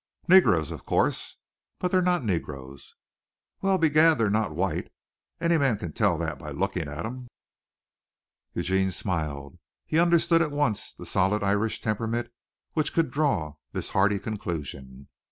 "Nagurs, of coorse." "But they're not negroes." "Will, begad, they're naat white. Any man kin tell that be lookin' at thim." Eugene smiled. He understood at once the solid Irish temperament which could draw this hearty conclusion.